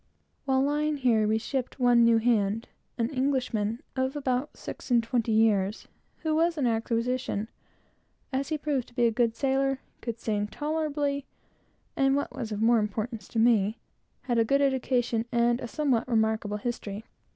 While lying here, we shipped one new hand, an Englishman, of about two or three and twenty, who was quite an acquisition, as he proved to be a good sailor, could sing tolerably, and, what was of more importance to me, had a good education, and a somewhat remarkable history.